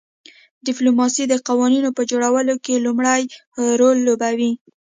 ډیپلوماسي د قوانینو په جوړولو کې لومړی رول لوبوي